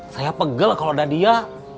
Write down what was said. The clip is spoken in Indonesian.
saya pegel kalau ada dia